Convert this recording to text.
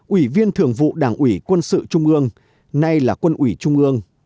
ủy viên thường vụ đảng ủy quân sự trung mương nay là quân ủy trung mương